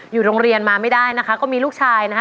อยู่โรงเรียนมาไม่ได้นะคะก็มีลูกชายนะคะ